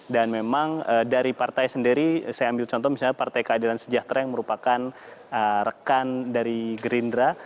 dan memang dari partai sendiri saya ambil contoh misalnya partai keadilan sejahtera yang merupakan rekan dari gerindra